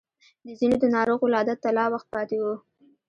د ځينو د ناروغ ولادت ته لا وخت پاتې و.